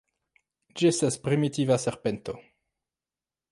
Ĝi estas primitiva serpento.